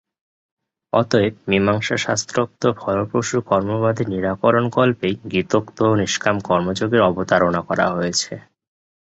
অতএব মীমাংসাশাস্ত্রোক্ত ফলপ্রসূ কর্মবাদের নিরাকরণকল্পেই গীতোক্ত নিষ্কাম কর্মযোগের অবতারণা করা হয়েছে।